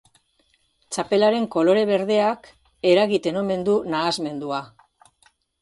Txapelaren kolore berdeak eragiten omen du nahasmendua.